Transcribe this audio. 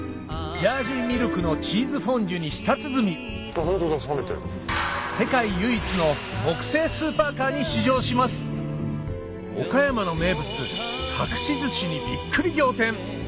ジャージーミルクのチーズフォンデュに舌鼓世界唯一の木製スーパーカーに試乗しますにビックリ仰天！